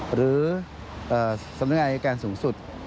หรือสำนักงานอายการสูงสุด